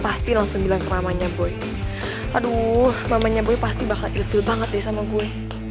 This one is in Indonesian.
aduh mamanya gue pasti bakal ilfil banget deh sama gue